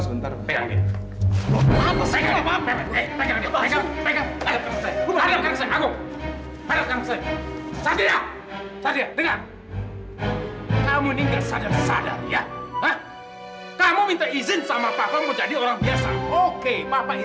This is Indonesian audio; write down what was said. selamat pak sampi